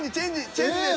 チェンジです。